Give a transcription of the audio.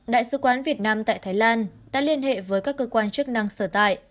đại sứ quán việt nam tại thái lan đã liên hệ với các cơ quan chức năng sở tại